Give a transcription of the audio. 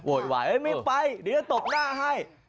ไหวไม่ไปเดี๋ยวจะตบหน้าให้